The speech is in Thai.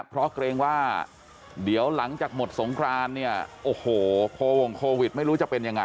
เพราะเกรงว่าเดี๋ยวหลังจากหมดสงครานเนี่ยโอ้โหโควงโควิดไม่รู้จะเป็นยังไง